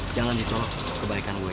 jangan ditolong kebaikan gue